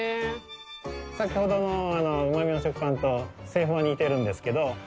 先ほどの旨味の食パンと製法は似てるんですけど。